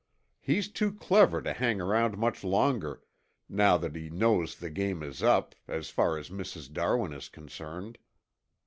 He's too clever to hang around much longer, now that he knows the game is up as far as Mrs. Darwin is concerned."